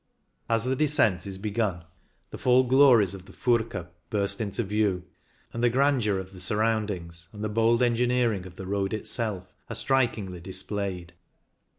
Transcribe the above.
As the descent ii8 CYCLING IN THE ALPS is begun the full glories of the Furka burst into view, and the grandeur of the surroundings and the^ bold engineering of the road itself are strikingly displayed.